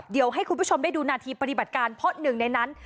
เดี๋ยวให้คุณผู้ชมได้ดูนาทีปฏิบัติการเพราะหนึ่งในนั้น